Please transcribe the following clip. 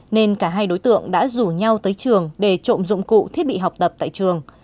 nên cả hai đối tượng đã rủ nhau tới trường để trộm dụng cụ thiết bị học tập tại trường